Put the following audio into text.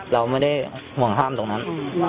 เราไม่ได้ห่วงห้ามตรงนั้น